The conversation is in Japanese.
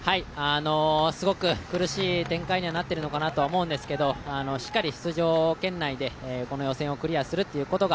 すごく苦しい展開にはなっているのかなと思うんですがしっかり出場圏内でこの予選をクリアすることが、